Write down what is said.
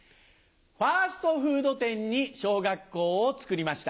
ファストフード店に小学校を造りました。